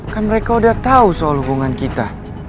kan mereka udah tahu soal hubungan kita